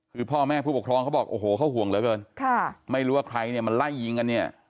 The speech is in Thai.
คือพ่อแม่ผู้ปกครองเขาบอกมันห่วงเหลือไม่รู้ว่าใครมันไล่ยิงกันเนี่ย